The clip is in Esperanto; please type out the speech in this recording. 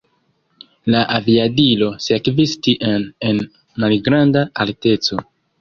La aviadilo sekvis tien en malgranda alteco.